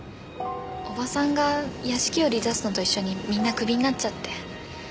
おばさんが屋敷を売り出すのと一緒にみんなクビになっちゃって。